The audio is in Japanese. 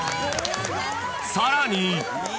［さらに］